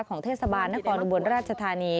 ของเทศบาลนครอุบลราชธานี